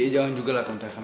jangan juga lah tante